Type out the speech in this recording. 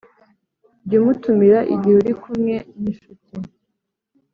jya umutumira igihe uri kumwe n’inshuti